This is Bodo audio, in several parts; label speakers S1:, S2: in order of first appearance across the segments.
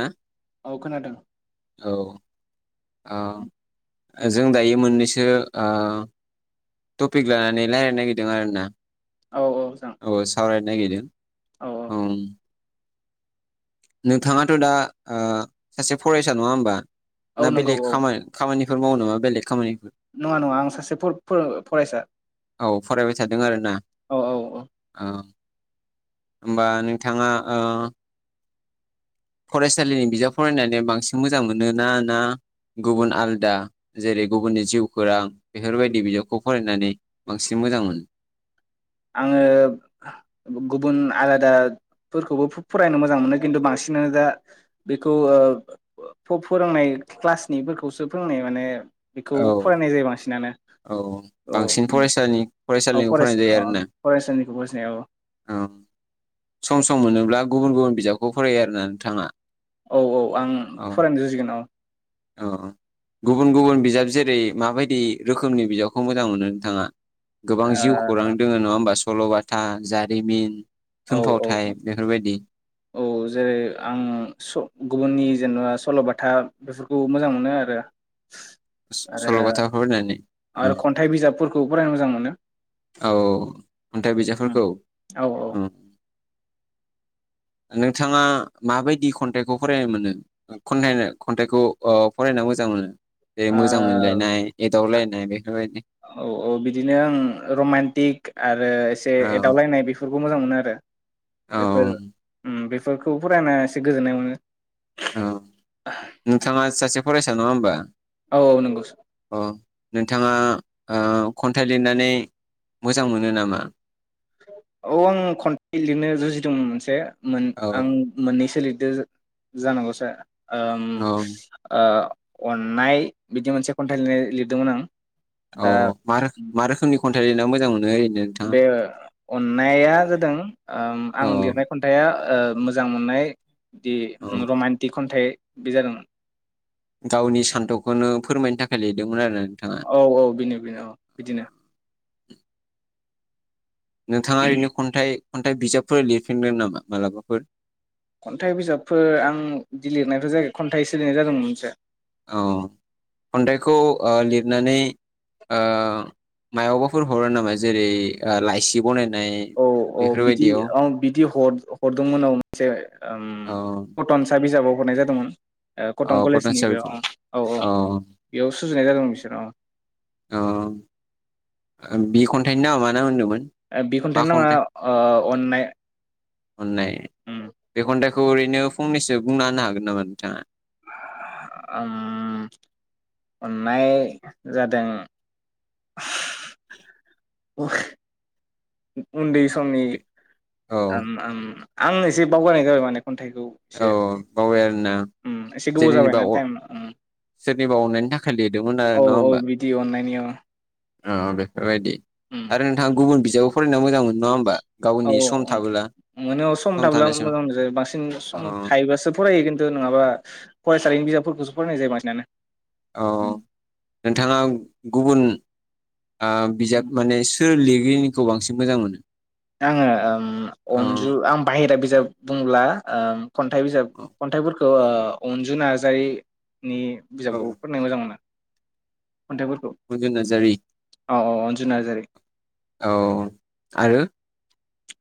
S1: हो?
S2: औ खोनादों।
S1: औ औ जों दायो मोननैसो ओ टपिक लानानै लायरायनो नागिरदों आरोना।
S2: औ औ जों
S1: नागिरदों। ओं नोंथाङाथ' दा ओ सासे फरायसा नङा होमबा? ना
S2: औ नंगौ
S1: बेलेग
S2: औ
S1: खामानि खामानि बेफोर मावनो ना बेलेग खामानि
S2: नङा नङा आं सासे फर फ-फरायसा।
S1: औ फरायबाय थादों आरो ना?
S2: औ औ औ
S1: ओ होमबा नोंथाङा ओ फरायसालिनि बिजाब फरायनानै बांसिन मोजां मोनो ना ना गुबुन आलदा जेरै गुबुननि जिउखौरां बेफोरबायदि बिजाबखौ फरायनानै बांसिन मोजां मोनो?
S2: आङो गुबुन आलादाफोरखौबो फरायनो मोजां मोनो खिन्थु बांसिनानो दा बेखौ ओ फोरोंनाय क्लासनिफोरखौसो फोरोंनाय माने बेखौ
S1: औ
S2: फरायनाय जायो बांसिनानो
S1: औ
S2: औ
S1: बांसिन फसानि
S2: औ
S1: फरायसालिनिखौ
S2: फरायसा
S1: फरायनाय जा
S2: अ
S1: [unintelligible] ना
S2: फरायसालिनिखौ फरायसानाय औ
S1: अ सम सम मोनोब्ला गुबुन गुबुन बिजाबखौ फरायो आरोना नोंथाङा?
S2: औ औ आं
S1: औ
S2: फरायनो जुजिगोन औ
S1: औ गुबुन गुबुन बिजाब जेरै माबायदि रोखोमनि बिजाबखौ मोजां मोनो नोंथाङा? गोबां जिउ खौरां दोङो नङा ओमबा सु सल'बाथा जारिमिन
S2: औ
S1: थुनफावथाय
S2: औ
S1: बेफोरबायदि
S2: औ जेरै आं स गुबुननि जेनेबा सल'बाथा बेफोरखौ मोजां मोनो आरो आरो
S1: सल'बाथा फरायनानै औ
S2: आरो खन्थाइ बिजाबफोरखौ फरायनो मोजां मोनो
S1: औ औ खन्थाइ बिजाबफोरखौ
S2: औ
S1: उम नोंथाङा माबायदि खन्थाइखौ फरायनो मोनो खन्थाइ खन्थाइखौ अ फरायनो मोजां मोनो? दे
S2: ओ
S1: मोजां मोनलायनाय एदावलाय [unintelligible]
S2: औ औ बिदिनो आं रमान्टिक आरो एसे
S1: औ
S2: एदावलायनाय बेफोर खौ मोजां मोनो आरो
S1: औ
S2: बेफोर उम बेफ फोरखौ फरायना एसे गोजोननाय मोनो।
S1: औ नोंथाङा सासे फरायसा नङा ओमबा?
S2: औ औ नंगौ ।
S1: नोंथाङा ओ खन्थाइ लिरनानै मोजां मोनो नामा?
S2: औ आं खन्थाइ लिरनो जुजिदोंमोन मोनसे मोन
S1: औ
S2: आं मोननै सो लि [unintelligible] जानांगौ सा ओम
S1: औ
S2: ओ अननाय बिदि मोनसे खन्थाइ लिरनाय लिरदोंमोन आं।
S1: अ
S2: दा
S1: मा रोख
S2: उम
S1: मा रोखोमनि खन्थाइ लिरना मोजां मोनो ओरै
S2: बे अननाया जादों ओम
S1: औ
S2: आं लिरनाय खन्थाइआ ओ मोजां मोननाय
S1: औ
S2: बिदि रमान्टिक खन्थाइ बे जादों
S1: गावनि सान्थौखौनो फोरमायनो थाखाय लिरदोंमोन आरो। नोंथाङा
S2: औ औ बिनो बिनो अ बिदिनो
S1: नोंथाङा ओरैनो खन्थाइ खन्थाइ बिजाबफोर लिरफिनगोन नामा मालाबाफोर?
S2: खन्थाइ बिजाबफोर आं बिदि लिरनायथ' जायाखै, खन्थाइसो लिरनाय जादोंमोन मोनसे।
S1: औ खन्थाइखौ ओ लिरनानै ओ मायावबाफोर हरो नामा जेरै लाइसि बनाय
S2: औ औ बिदि ओ बिदि हर हरदोंमोन औ मोनसे ओम
S1: औ
S2: कटनसा बिजाबाव हरनाय जादोंमोन। ओ
S1: औ
S2: कटन कलेजनि बेयाव।
S1: साबजेक्ट
S2: औ औ बेयाव सुजुनाय जादोंमोन बिसोर
S1: ओ। ओ बि खन्थाइनि नामा मा नाम होनदोंमोन?
S2: बि
S1: मा
S2: खनथाइनि नामा अ अननाय।
S1: अन्नाय।
S2: ओम
S1: बे खन्थाइखौ ओरैनो फंनैसो बुंना होनो हागोन नामा नोंथाङा?
S2: ओम अननाय जादों
S1: [inaudible]
S2: [unintelligible] उन्दै सम समनि
S1: औ
S2: आम आम। आं एसे बावगारनाय जाबाय माने खन्थाइखौ
S1: औ
S2: एसे
S1: बावबाय आरोना
S2: ओम एसे गोबाव
S1: जेनेबा
S2: जाबायना टाइमा ओम।
S1: सोरनिबा अननायनि थाखाय लिरदोंमोन
S2: औ औ बिदि अन्नायनि अ।
S1: अ बेफोरबायदि। आरो नोंथाङा गुबुन बिथ जेयाव फरायना मोजां मोनो। नङा होमबा
S2: औ
S1: गावनि सम
S2: औ
S1: थाबोला
S2: मोनो थाब्ला
S1: सम
S2: मोजां
S1: सम
S2: मोनो बांसिन
S1: औ
S2: सम थायोबासो फरायो किन्तु नङा माबा फरायसालिनि बिजाबफोरखौसो फरायनाय जायो बांसिनानो
S1: औ
S2: उम
S1: नोंथाङा गुबुन ओ
S2: उम
S1: बिजाब माने सोर लिरगिरिनिखौ बांसिन मोजां मोनो?
S2: आङो ओम
S1: औ
S2: अनजु आं बाहेरा बिजाब बुङोब्ला ओ खन्थाइ बिजाब
S1: औ
S2: खन्थाइफोर ओह अनजु नार्जारि नि बिजाबखौ फरायनो मोजां मोनो। खन्थाइफोरखौ
S1: अजुन नार्जारि
S2: औ औ अनजु नार्जारि
S1: औ आरो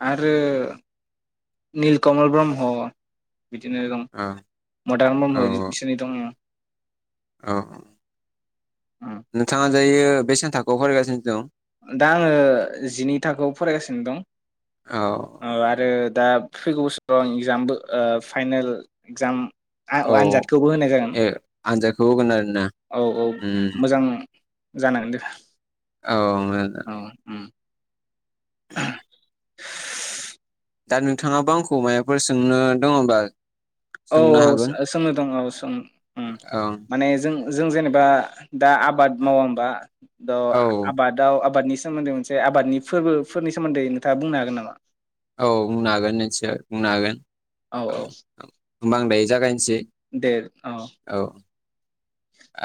S2: आरो नीलकमल ब्रह्म बिदिनो दं
S1: औ
S2: मदाराम ब्रह्म
S1: औ
S2: बिसोरनि दङ
S1: औ नोंथाङा दायो बेसेबां थाखौआव फरायगासिनो दं
S2: दा आङो जिनै थाखोआव फरायगासिनो दं
S1: औ
S2: औ आरो दा फैगौ बोसोराव आं इगजामबो फाइनेल इगजाम आव आनजादखौबो होनाय जागोन
S1: आनजाद होगोन आरो
S2: औ औ मोजां जानांदों
S1: औ मोजां दा [inaudible]
S2: [inaudible]
S1: दा नोंथाङाबो आंखौ माबाफोर सोंनो दङ बा
S2: औ औ सों सोंनो दं औ सों उम
S1: औ
S2: माने जों जों जेनेबा दा आबाद मावा होनबा द
S1: औ
S2: आबादाव आबादनि सोमोन्दै मोनसे आबादनि फोरबोफोरनि सोमोन्दै नोंथाङा बुंनो हागोन नामा
S1: औ बुंनो हागोन निसय बुंनो हागोन औ ओं होनबा आं दायो जागायनोसै औ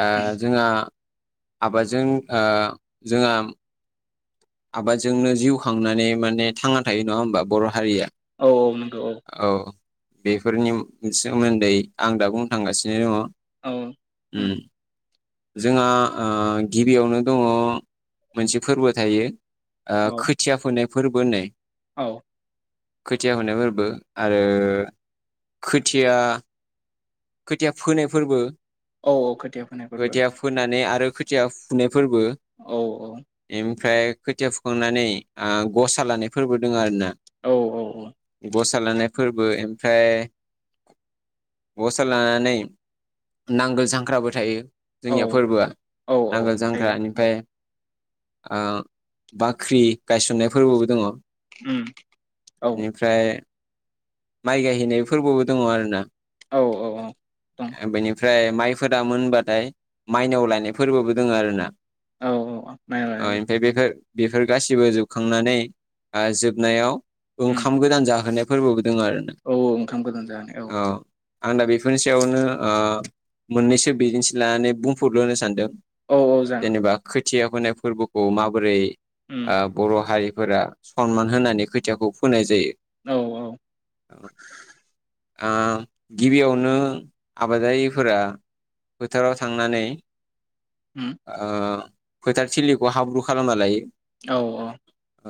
S1: ओ जोंहा आबादजों ओ जोंहा आबादजोंनो जिउ खांनानै माने थांना थायो नङा होमबा बर' हारिया
S2: औ औ नंगौ औ
S1: बेफोरनि सोमोन्दै आं दा बुंनो थांगासिनो दङ
S2: औ
S1: उम जोंहा आ गिबियावनो दङ मोनसे फोरबो थायो ओ
S2: औ
S1: खोथिया फोननाय फोरबो होननाय
S2: औ
S1: खोथिया होननाय फोरबो आरो खोथिया खोथिया फोनाय फोरबो
S2: औ औ खोथिया फोनाय फोरबो
S1: ओ खोथिया फुनो फोरबो
S2: औ औ
S1: एम फ्राय खोथिया फुखांनानै ओ गसा लानाय फोरबो दोंङो आरोना
S2: औ औ
S1: सालानाय फोरबो एमफ्राय गसा लानानै नांगोल जांख्राबो थायो।
S2: औ
S1: जोंनिया फोरबोआ
S2: औ औ
S1: नांगोल
S2: जायो
S1: जांख्रा
S2: औ
S1: इनिफाय ओ बाख्रि गायसननाय फोरबोबो दंङ।
S2: उम औ
S1: माइ गायहैनाय फोरबोबो दंङ आरोना।
S2: औ औ दं
S1: बेनि फ्राय माइफोरा मोनबाथाय माइनाव लायनाय फोरबोबो दोंङो आरो ना।
S2: औ औ माइ
S1: ओयम फाय बेखो बे फोर गासिबो जोबखांनानै जोबनायाव ओंखाम गोदान जाहोनाय फोरबो
S2: औऔ ओंखाम गोदान जाहोनाय औ
S1: आं दा बेफोरनि सायावनो ओ मोननैसो बिदिन्थि लानानै बुंफुरलुनो सानदों।
S2: औ औ जागोन
S1: जेनेबा खोथ थिया फोनाय फोरबोखौ माबोरै
S2: उम
S1: ओ बर' हारि फोरआ सनमान होनानै खोथियाखौ फोनाय जायो।
S2: औ औ
S1: औ आम गिबियावनो आबादारिफोरा फोथाराव थांनानै
S2: उम
S1: आ फोथार थिलिखौ हाब्रु खालामना लायो।
S2: औ औ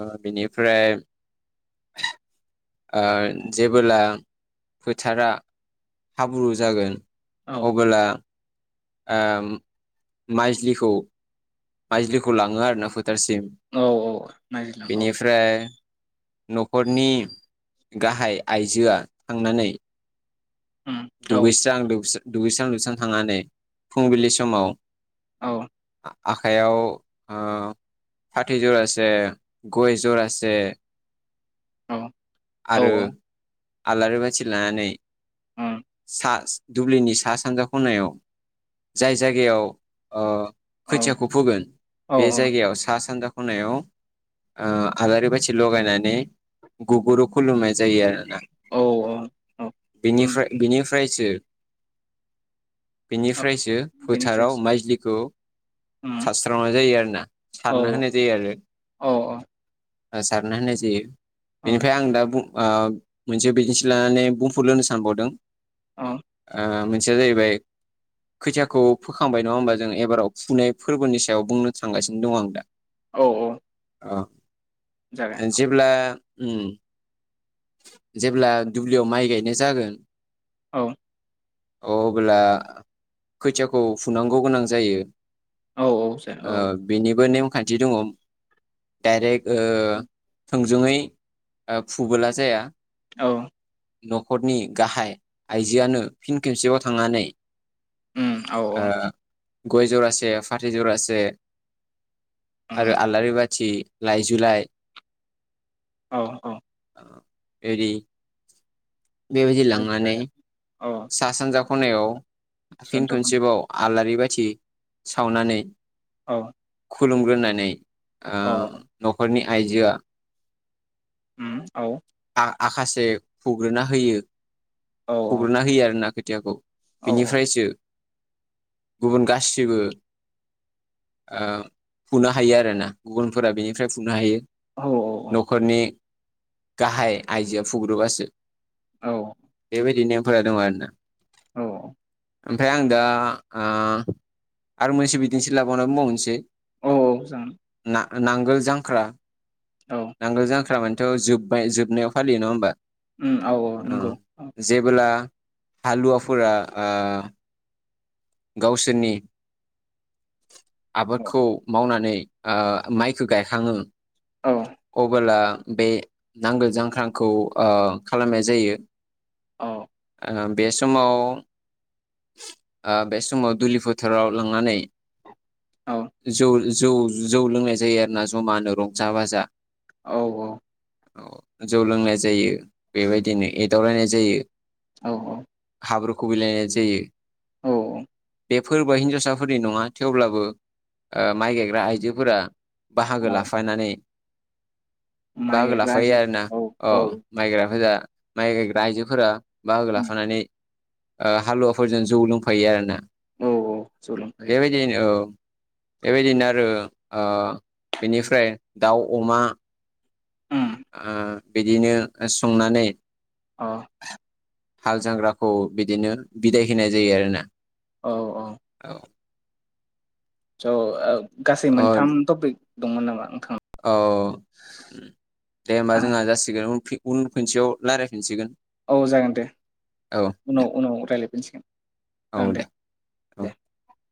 S1: ओ बेनिफ्राय ओ जेबोला फोथारा हाब्रु जागोन
S2: औ
S1: अबोला ओम माइज्लिखौ माइज्लिखौ लांङो आरो ना फो थारसिम
S2: औ औ नायज्लां औ
S1: बेनिफ्राय न'खरनि गाहाय आइजोआ थांनानै
S2: उम औ
S1: दुुगैस्रां लोबस्रां दुगैस्रां लोबसां थांनानै फुंबिलि समाव
S2: औ।
S1: आखाइयाव ओ फाथै जरसे गय जरासे
S2: औ औ
S1: आरो आलारि बाथि लानानै
S2: उम
S1: सा दुब्लिनि सा सानजा खनायाव जाय जायगायाव ओ
S2: औ
S1: खोथियाखौ फोगोन
S2: औ
S1: बे जायगायाव सा सानजा खनायाव ओ आलारि बाथि लगायनानै गुगुरु खुलुमनाय जायो आरोना।
S2: औ औ उम
S1: बेनिफ्राय बिनि फ्रायसो बेनिफ्रायसो
S2: बेनिफ्राय
S1: फोथाराव माइज्लिखौ
S2: उम
S1: सारस्रांनाय जायो आरोना
S2: औ
S1: सारना होनाय जायो आरो।
S2: औ
S1: सारना होननाय जायो।
S2: औ
S1: बेनिफ्राय आं दा बुं ओ मोनसे बिदिन्थि लानानै बुंफोरलोनो सानबावदों।
S2: औ
S1: ओ सेया जाहैबाय खैथियाखौ फोखांबाय नङा होमबा जों एबाराव फुनाय फोरबोनि सायाव बुंनो थांगासिनो दं आं दा।
S2: औ औ।
S1: अ।
S2: जागोन औ
S1: जेब्ला उम जेब्ला दुब्लियाव माइ गायनाय जागोन
S2: औ।
S1: अ अब्ला खैथियाखौ फुनांगौ गोनां जायो।
S2: औ जा
S1: औ बिनिबो नेम खान्थि दङ डाइरेक्ट ओ थोंजोङै फुबोला जाया।
S2: औ।
S1: न'खरनि गाहाय आइजोआनो फिन खेबसेयाव थांनानै
S2: उम औ औ।
S1: ओ गय जरासे फाथै जरासे आरो
S2: उम
S1: आलारिबा थि लायजै लाय
S2: औ औ।
S1: एरि। बेबायदि लांनानै
S2: देग्लाय औ
S1: सा, सानजा खनायाव फिन
S2: सानजौफु
S1: खनसेबाव आलारि बाय थि सावनानै
S2: औ
S1: खुलुमग्रोनानै ओ
S2: औ
S1: न'खरनि आइजोआ
S2: ओम औ
S1: आ-आखाासे फुग्रोना होयो।
S2: औ
S1: फुगुरना हैयो आरो ना खै थियाखौ।
S2: औ औ
S1: बिनिफ्रायसो गुबुन गा सैबो ओ फुनो हायो आरो ना गुबुनफोरा बेनिफ्राय फुनो हायो।
S2: औ
S1: न'खरनि गाहाय आइजोया फुग्रुोबासो।
S2: औ
S1: बेबायदि नो फोरा दं आरो ना
S2: औ
S1: आमफाय आं दा आ - आरो मोनसे बिदिनोसै लाबावानै मावनोसै।
S2: औ औ जागोन
S1: आ नांगोल जांख्रा।
S2: औ
S1: नांगोल जांख्रा माने थो जोब्बाय जोबनायाव फालि नङा होनबा
S2: उम औ औ
S1: ओ
S2: नंगौ औ
S1: जेबोब्ला हालुवफुरा आ गावसोरनि आबादखौ मावनानै आ माइखौ गायखाङो।
S2: औ औ
S1: अबोला बे नांगोल जांख्रांखौ ओ खालामनाय जायो।
S2: औ
S1: ओ बे समाव ओ बे समाव दुलि फोथाराव लांनानै
S2: औ
S1: जौ जौ जौ लोंनाय जायो आरोना जमानो रंजा बाजा
S2: औ औ
S1: जौ लोंनाय जायो बेबायदिनो एदावलायनाय जायो ।
S2: औ औ
S1: हाब्रु खुबैलायनाय जायो ।
S2: औ
S1: बे फोरबोआ हिन्जावसाफोरनि नङा थेवब्लाबो माइ गायग्रा आइजोफोरा बाहागो
S2: औ
S1: लाफानानै
S2: माइ
S1: बाहागो
S2: गायग्रा
S1: लाफायो
S2: आइजो
S1: आरोना औ माइग्राफोरा माइ गायग्रा आयजोफोरा बाहागो
S2: उम
S1: लाफानानै ओ हालुवाफोरजों जौ लों फायो आरोना ।
S2: औ औ सोलोंथाइ
S1: बेबायदियैनो औ बेबायदिनो आरो ओ बेनिफ्राय दाउ अमा
S2: उम
S1: आं बिदिनो संनानै
S2: ओ
S1: हाल जांग्राखौ बिदिनो बिदाय होनाय जायो आरोना ।
S2: औ औ [unintelligible] गासै
S1: औ
S2: मोनथाम टपिक दंमोन नामा? नोंथां
S1: औ दे होमबा जोंहा जासिगोन फि उन खनसेयाव राय्लायफिनसिगोन ।
S2: औ जागोन दे
S1: दे
S2: उनाव उनाव रायज्लायफिनसिगोन जागोन दे
S1: औ
S2: दे ।